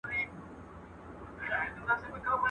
ما در کړي د اوربشو انعامونه.